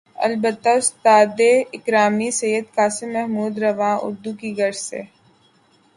البتہ استاد گرامی سید قاسم محمود رواں اردو کی غرض سے